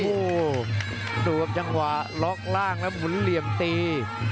โอ้โหดูครับจังหวะล็อกล่างแล้วหมุนเหลี่ยมตี